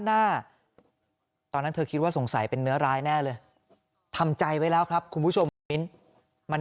หน้าตอนนั้นเธอคิดว่าสงสัยเป็นเนื้อร้ายแน่เลยทำใจไว้แล้วครับคุณผู้ชมคุณมิ้นมัน